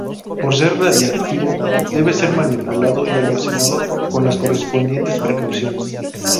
Por ser radiactivo debe ser manipulado y almacenado con las correspondientes precauciones.